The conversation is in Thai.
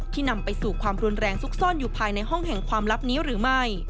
นำไปสู่ความรุนแรงซุกซ่อนอยู่ภายในห้องแห่งความลับนี้หรือไม่